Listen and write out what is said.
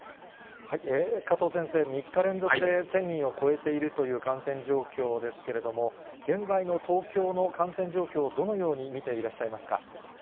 加藤先生、３日連続で１０００人を超えているという感染状況ですけれども、現在の東京の感染状況をどのように見ていらっしゃいますか？